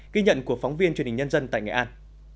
ghi nhận của phóng viên truyền hình nhân dân tại nghệ an